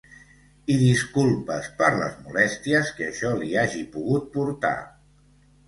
I disculpes per les molèsties que això li hagi pogut portar.